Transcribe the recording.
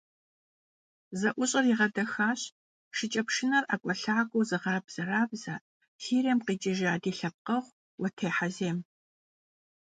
ЗэӀущӀэр игъэдэхащ шыкӀэпшынэр ӀэкӀуэлъакӀуэу зыгъэбзэрабзэ, Сирием къикӏыжа ди лъэпкъэгъу - Уэтей Хьэзем.